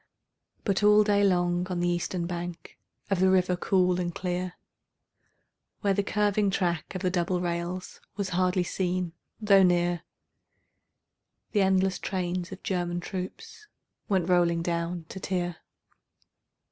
But all day long on the eastern bank Of the river cool and clear, Where the curving track of the double rails Was hardly seen though near, The endless trains of German troops Went rolling down to Trier.